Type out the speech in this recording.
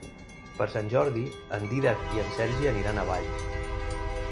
Per Sant Jordi en Dídac i en Sergi aniran a Valls.